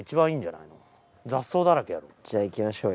じゃあ行きましょうよ。